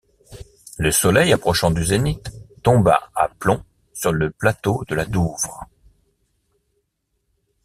Le soleil, approchant du zénith, tomba à plomb sur le plateau de la Douvre.